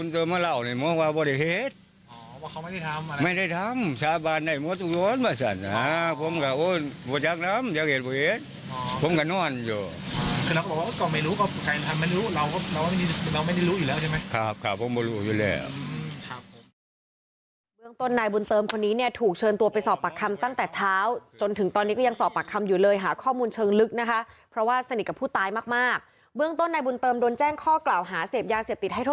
ใจทำไม่รู้เราไม่ได้รู้อยู่แล้วใช่ไหม